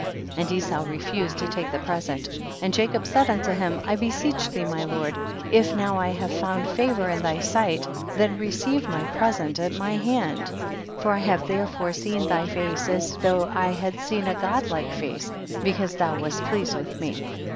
64. And Esau refused to take the present, and Jacob said unto him, I beseech thee my lord, if now I have found favor in thy sight, then receive my present at my hand, for I have therefore seen thy face, as though I had seen a god like face, because thou wast pleased with me.